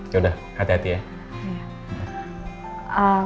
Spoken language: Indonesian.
ya udah hati hati ya